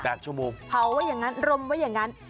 ชั่วโมงเผาไว้อย่างงั้นรมไว้อย่างนั้น